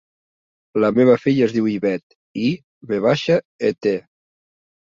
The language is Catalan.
La meva filla es diu Ivet: i, ve baixa, e, te.